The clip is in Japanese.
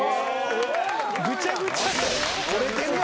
・ぐちゃぐちゃ。